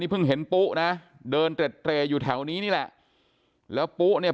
เพิ่งเห็นปุ๊นะเดินเต็ดเตรอยู่แถวนี้นี่แหละแล้วปุ๊เนี่ย